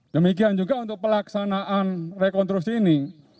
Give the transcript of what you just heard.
demikian juga untuk pelaksanaan rekonstruksi ini